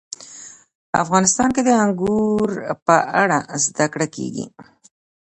افغانستان کې د انګور په اړه زده کړه کېږي.